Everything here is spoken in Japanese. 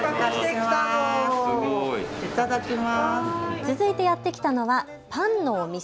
続いてやって来たのはパンのお店。